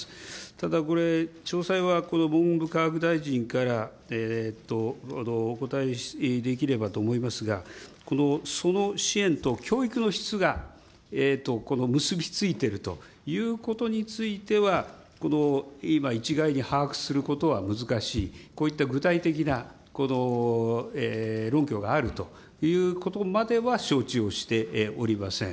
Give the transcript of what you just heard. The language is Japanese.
ただこれ、詳細は文部科学大臣からお答えできればと思いますが、その支援と教育の質が結び付いてるということについては、今、一概に把握することは難しい、こういった具体的な論拠があるということまでは承知をしておりません。